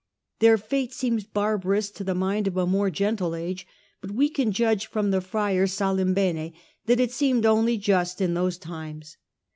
Their fate seems bar barous to the mind of a more gentle age, but we can judge from the friar Salimbene that it seemed only just in those times.